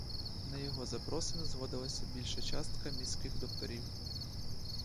На його запросини згодилась більша частка міських докторів.